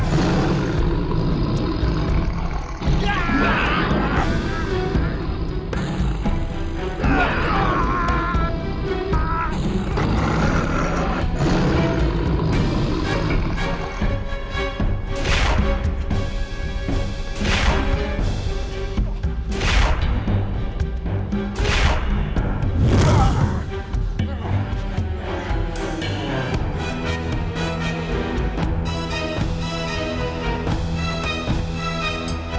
tidak ada apa apa